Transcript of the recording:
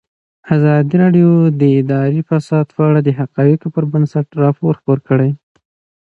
ازادي راډیو د اداري فساد په اړه د حقایقو پر بنسټ راپور خپور کړی.